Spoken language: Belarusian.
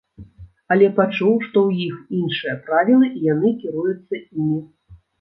Але пачуў, што ў іх іншыя правілы і яны кіруюцца імі.